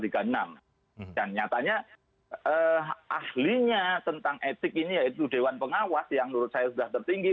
nyatanya ahlinya tentang etik ini yaitu dewan pengawas yang menurut saya sudah tertinggi